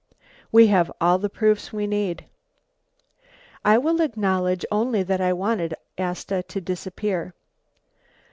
"We have all the proofs we need." "I will acknowledge only that I wanted Asta to disappear."